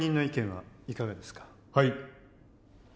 はい。